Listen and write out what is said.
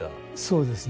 そうですね。